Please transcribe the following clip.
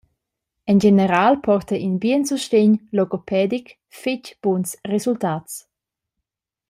En general porta in bien sustegn logopedic fetg buns resultats.